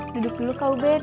duduk dulu kau bed